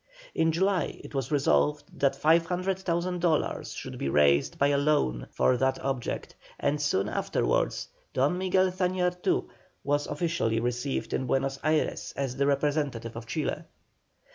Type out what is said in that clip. In July it was resolved that 500,000 dollars should be raised by a loan for that object, and soon afterwards Don Miguel Zañartu was officially received in Buenos Ayres as the representative of Chile.